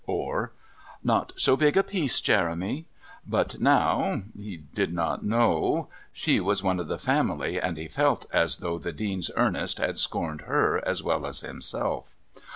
or "Not so big a piece, Jeremy." But now he did not know... She was one of the family, and he felt as though the Dean's Ernest had scorned her as well as himself.